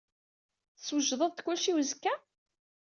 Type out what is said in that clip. Teswejdeḍ-d kullec i uzekka?